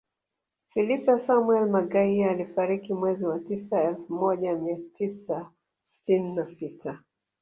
Filipe Samuel Magaia alifariki mwezi wa tisa elfu moja mia tisa sitini na sita